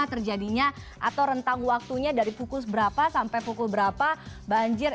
terjadinya atau rentang waktunya dari pukul berapa sampai pukul berapa banjir